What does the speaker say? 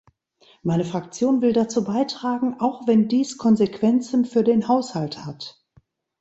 Meine Fraktion will dazu beitragen, auch wenn dies Konsequenzen für den Haushalt hat.